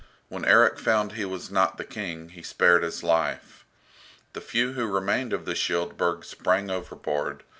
When Erik found he was not the King he spared his life. The few who remained of the Shield burg sprang overboard.